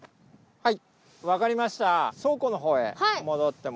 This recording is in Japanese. はい。